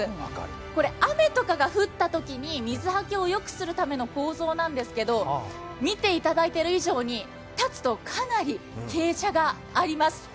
これ雨とかが降ったときに水はけをよくするための構造なんですけど、見ていただいている以上に立つとかなり傾斜があります。